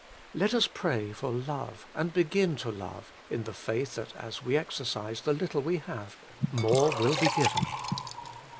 2. Let us pray for love, and begin to love, in the faith that as we exercise the little we have more will be given.